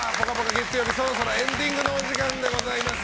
月曜日そろそろエンディングのお時間です。